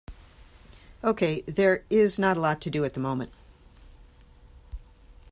Okay, there is not a lot to do at the moment.